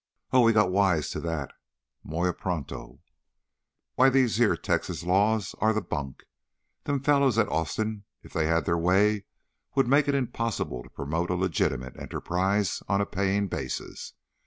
Oh, we got wise to that, muy pronto! Why, these here Texas laws are the bunk! Them fellows at Austin, if they had their way, would make it impossible to promote a legitimate enterprise on a paying basis.